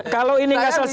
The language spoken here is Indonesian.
kalau ini gak selesai